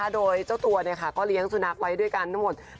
โดยเจ้าตัวก็เลี้ยงสุนัขไว้ด้วยกันทั้งหมด